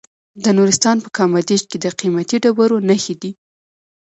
د نورستان په کامدیش کې د قیمتي ډبرو نښې دي.